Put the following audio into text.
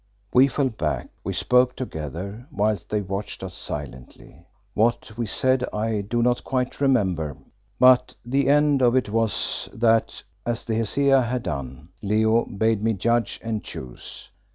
We fell back; we spoke together, whilst they watched us silently. What we said I do not quite remember, but the end of it was that, as the Hesea had done, Leo bade me judge and choose.